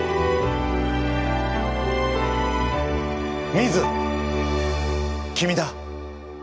ミズ君だ。